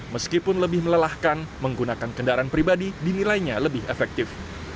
meskipun lebih melelahkan menggunakan kendaraan pribadi dinilainya lebih efektif